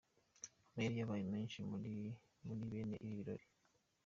Amayeri yabaye menshi muri bene ibi birori.